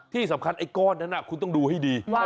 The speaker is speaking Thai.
ที่สำคัญก้อนนั้นคุณต้องดูให้ดี